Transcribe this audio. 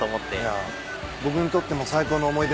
いや僕にとっても最高の思い出になりました。